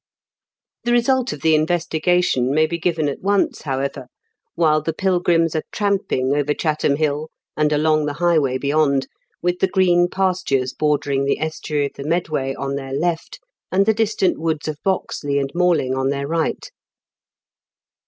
The result of the investigation may be given at once, however, while the pilgrims r 112 m KENT WITH GHABLE8 BIGKENS. are tramping over Chatham Hill, and along the highway beyond, with the green pastures bordering the estuary of the Medway on their left, and the distant woods of Boxley and Mailing on their right.